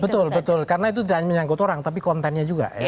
betul betul karena itu tidak hanya menyangkut orang tapi kontennya juga ya